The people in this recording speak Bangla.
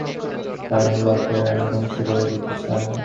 কারণ লর্ড ইকা শহরটা ধ্বংস করে দিতে চায়।